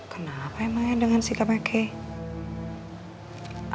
kenapa emangnya dengan sikapnya kay